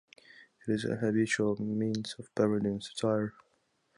It is a habitual means of parody and satire.